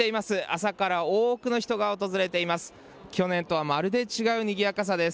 朝から多くの人が訪れています。